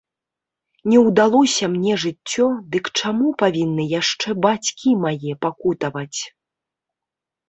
Не ўдалося мне жыццё, дык чаму павінны яшчэ бацькі мае пакутаваць?